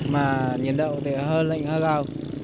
mà nhiệt độ thì hờ lệnh hờ cao